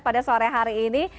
pada sore hari ini